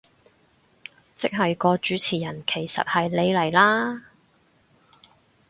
即係個主持人其實係你嚟啦